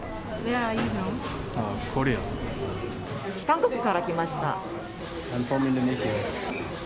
韓国から来ました。